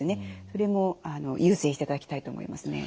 それも優先していただきたいと思いますね。